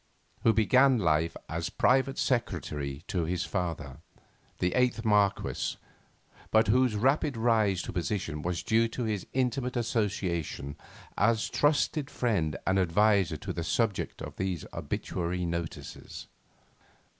who began life as Private Secretary to his father, the 8th Marquess, but whose rapid rise to position was due to his intimate association as trusted friend and adviser to the subject of these obituary notices.